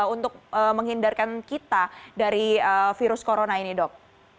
untuk menghindarkan kita dari virus corona ini dok